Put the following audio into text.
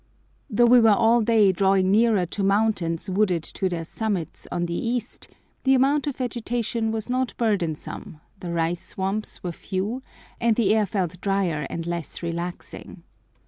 Though we were all day drawing nearer to mountains wooded to their summits on the east, the amount of vegetation was not burdensome, the rice swamps were few, and the air felt drier and less relaxing.